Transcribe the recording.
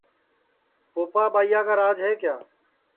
پوپا ٻائیا کا راج ہے کیا